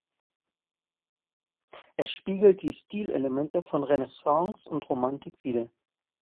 Es spiegelt die Stilelemente von Renaissance und Romantik wider.